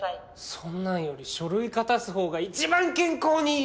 そんなんより書類片すほうが一番健康にいい！